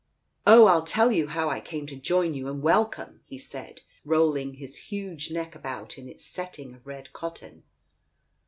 "Oh, I'll tell you how I came to join you and wel come !" he said, rolling his huge neck about in its setting of red cotton.